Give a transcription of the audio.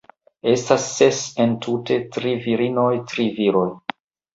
Estas ses entute tri virinoj, tri viroj